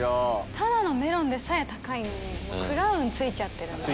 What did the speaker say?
ただのメロンでさえ高いのに「クラウン」付いちゃってるんで。